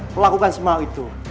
melakukan semua itu